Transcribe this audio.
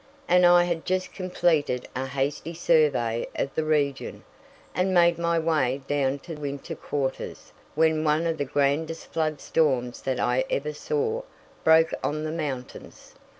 And I had just completed a hasty survey of the region, and made my way down to winter quarters, when one of the grandest flood storms that I ever saw broke on the mountains.